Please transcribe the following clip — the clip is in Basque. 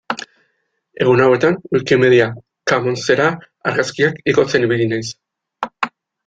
Egun hauetan Wikimedia Commonsera argazkiak igotzen ibili naiz.